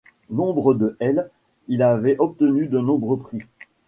Membre de l', il avait obtenu de nombreux prix.